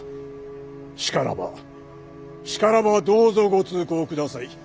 しからばしからばどうぞご通行ください。